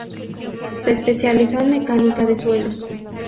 Se especializó en mecánica de suelos.